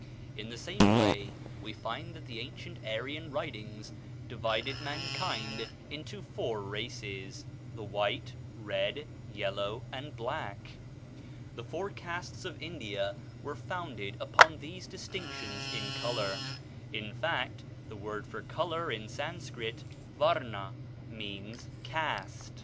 In the same way we find that the ancient Aryan writings divided mankind into four races the white, red, yellow, and black: the four castes of India were founded upon these distinctions in color; in fact, the word for color in Sanscrit (varna) means caste.